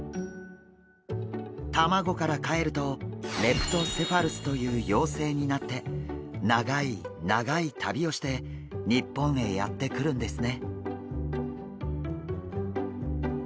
卵からかえるとレプトセファルスという幼生になって長い長い旅をして日本へやって来るんですね。